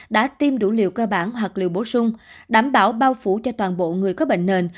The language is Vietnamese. đã tiêm đủ liều cơ bản hoặc liều bổ sung đảm bảo bao phủ cho toàn bộ người có bệnh nền